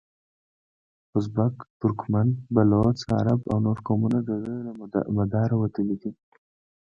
ازبک، ترکمن، بلوڅ، عرب او نور قومونه دده له مداره وتلي دي.